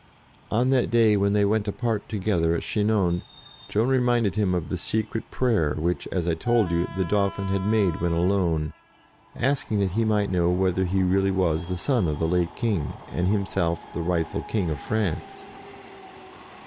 On that day when they went apart to gether at Chinon, Joan reminded him of the secret prayer which, as I told you, the Dauphin had made when alone, asking that he might know whether he really was the son of the late King, and himself the right ful King of France.